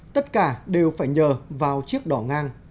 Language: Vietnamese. tất cả đều phải nhờ vào chiếc đỏ ngang